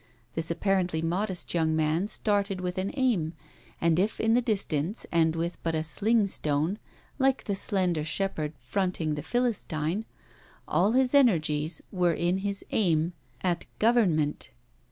This apparently modest young man started with an aim and if in the distance and with but a slingstone, like the slender shepherd fronting the Philistine, all his energies were in his aim at Government.